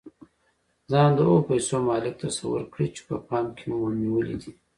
ځان د هغو پيسو مالک تصور کړئ چې په پام کې مو نيولې دي.